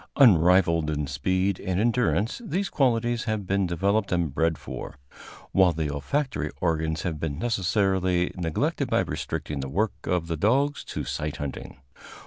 Unrivaled in speed and endurance, these qualities have been developed and bred for, while the olfactory organs have been necessarily neglected by restricting the work of the dogs to sight hunting.